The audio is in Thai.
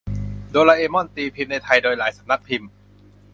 โดราเอมอน ตีพิมพ์ในไทยโดยหลายสำนักพิมพ์